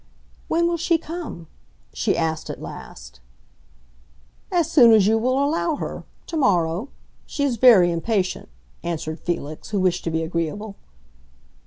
"When will she come?" she asked at last. "As soon as you will allow her—tomorrow. She is very impatient," answered Felix, who wished to be agreeable.